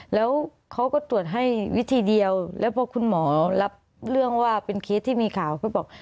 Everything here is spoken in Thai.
แล้วเขาก็ตรวจให้วิธีเดียวแล้วพอคุณหมอรับเรื่องว่าเป็นเคสที่มีข่าวเขาบอก